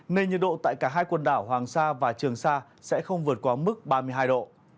nên nhiệt độ tại cả hai quần đảo hoàng sa và trường sa sẽ không vượt qua mức ba mươi hai độ